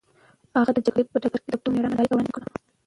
هغه د جګړې په ډګر کې د پښتنو مېړانه نندارې ته وړاندې کړه.